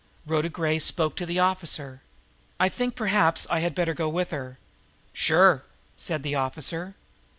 Rhoda Gray spoke to the officer: "I think perhaps I had better go with her." "Sure!" said the officer.